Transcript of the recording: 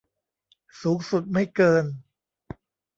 สูงสุดไม่เกิน